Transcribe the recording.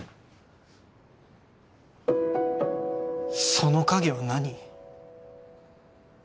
その影は何？